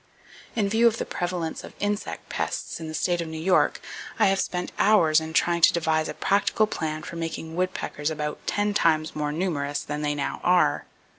In view of the prevalence of insect pests in the state of New York, I have spent hours in trying to devise a practical plan for making woodpeckers about ten times more numerous than they now are.